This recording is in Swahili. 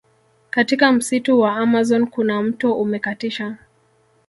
Katika msitu wa amazon kuna mto umekatisha